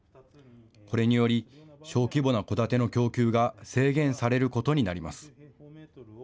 これにより小規模な戸建ての供給が制限されることになります。